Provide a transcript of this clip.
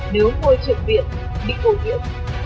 nếu môi trường biển bị bổ nhiễm